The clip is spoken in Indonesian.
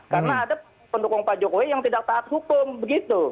karena ada pendukung pak jokowi yang tidak taat hukum begitu